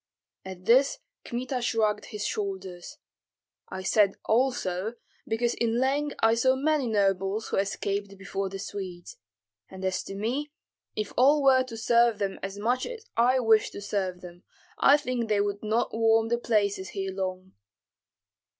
At this Kmita shrugged his shoulders. "I said also, because in Leng I saw many nobles who escaped before the Swedes; and as to me, if all were to serve them as much as I wish to serve them, I think they would not warm the places here long."